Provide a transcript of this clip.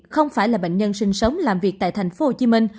không phải là bệnh nhân sinh sống làm việc tại tp hcm